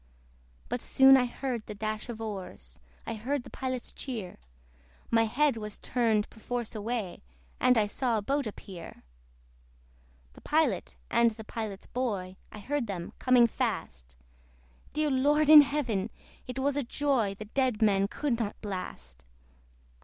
But soon I heard the dash of oars; I heard the Pilot's cheer; My head was turned perforce away, And I saw a boat appear. The Pilot, and the Pilot's boy, I heard them coming fast: Dear Lord in Heaven! it was a joy The dead men could not blast.